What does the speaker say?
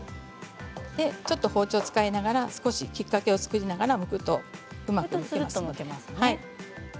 ちょっと包丁を使いながらきっかけを作りながらむくとうまくむけますね。